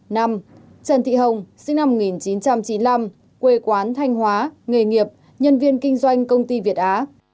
năm trần thị hồng sinh năm một nghìn chín trăm chín mươi năm quê quán thanh hóa nghề nghiệp nhân viên kinh doanh công ty việt á